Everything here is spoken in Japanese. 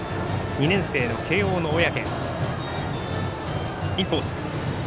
２年生の慶応の小宅。